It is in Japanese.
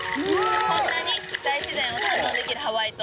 こんなに大自然を堪能できるハワイ島。